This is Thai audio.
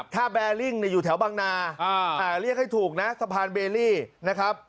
ถ้าแบริ่งอยู่แถวบางนาเรียกให้ถูกนะสะพานเบลลี่นะครับ